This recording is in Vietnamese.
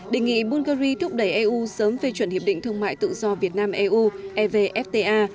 đề nghị bulgari thúc đẩy eu sớm phê chuẩn hiệp định thương mại tự do việt nam eu evfta